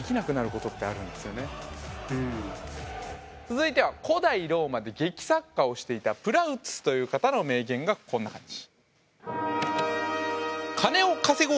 続いては古代ローマで劇作家をしていたプラウトゥスという方の名言がこんな感じ。